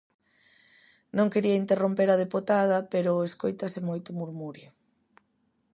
Non quería interromper a deputada, pero escóitase moito murmurio.